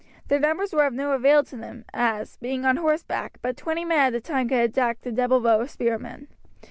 Their numbers were of no avail to them, as, being on horseback, but twenty men at a time could attack the double row of spearmen.